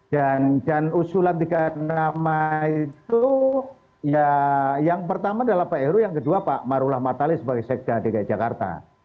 dan usulan tiga nama itu ya yang pertama adalah pak heru yang kedua pak marullah matali sebagai sekta dki jakarta